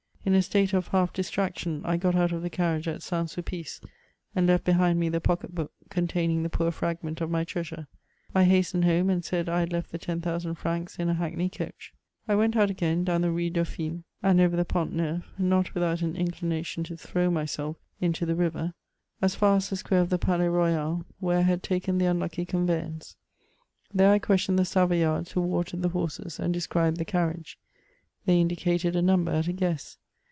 In a state of half dis traction I got out of the carriage at St Sulpice, and left be hind me the pocket book contsuning tiie poor fragment of my treasure. I hastened home, and said I had left the 10,000 francs in a hackney coach. I went out agam, down the Rue Dauphine, and over the Font Neuf, not without an inclination to throw myself into the CHATEAUBMAKD. 329 riv^, as far as the square of the Pakds Royal, where I had taken the unhicky eany^mzice. There I questioned Uie Saroyards who watered the horses, and described the carriage ; they indicated a number at a guess.